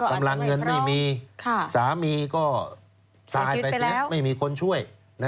กำลังเงินไม่มีสามีก็ตายไปซะไม่มีคนช่วย